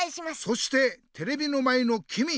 そしてテレビの前のきみ！